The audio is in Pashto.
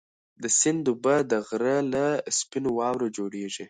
د سیند اوبه د غره له سپینو واورو جوړېږي.